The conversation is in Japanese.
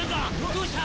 どうした？」